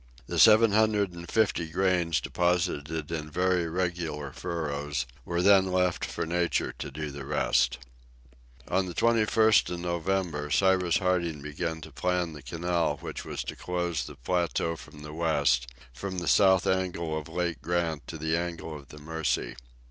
The seven hundred and fifty grains deposited in very regular furrows were then left for nature to do the rest. On the 21st of November, Cyrus Harding began to plan the canal which was to close the plateau on the west, from the south angle of Lake Grant to the angle of the Mercy.